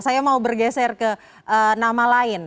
saya mau bergeser ke nama lain